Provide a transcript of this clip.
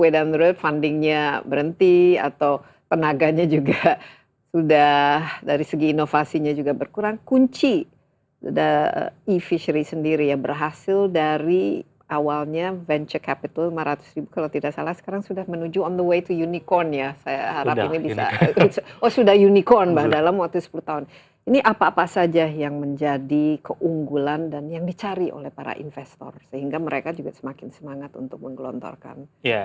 tapi ketika teman teman ii fishery menawarkan awal awalnya nggak ada yang yakin kan